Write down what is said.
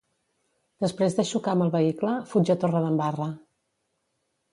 Després de xocar amb el vehicle, fuig a Torredembarra.